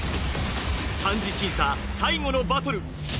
三次審査最後のバトル。